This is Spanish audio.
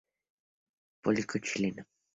Político chileno.